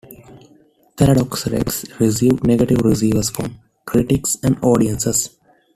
"Theodore Rex" received negative reviews from critics and audiences.